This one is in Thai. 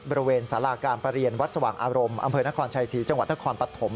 บริเวณสาราการประเรียนวัดสว่างอารมณ์อำเภอนครชัยศรีจังหวัดนครปฐม